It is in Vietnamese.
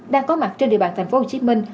đang có mặt trên địa bàn thành phố hồ chí minh